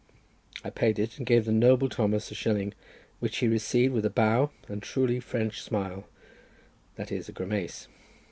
I paid it, and gave the noble Thomas a shilling, which he received with a bow and truly French smile—that is, a grimace.